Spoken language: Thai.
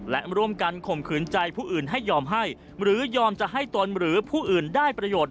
และร่วมกันข่มขืนใจผู้อื่นให้ยอมให้หรือยอมจะให้ตนหรือผู้อื่นได้ประโยชน์